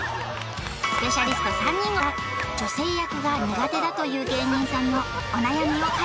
スペシャリスト３人が女性役が苦手だという芸人さんのお悩みを解決